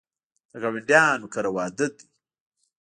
د ګاونډیانو کره واده دی